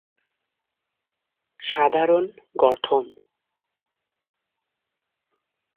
সাধারণ গঠন